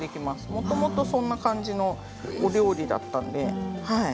もともと、そんな感じのお料理だったので。